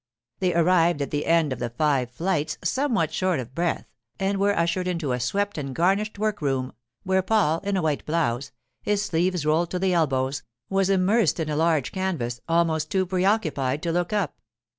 They arrived at the end of the five flights somewhat short of breath, and were ushered into a swept and garnished workroom, where Paul, in a white blouse, his sleeves rolled to the elbows, was immersed in a large canvas, almost too preoccupied to look up.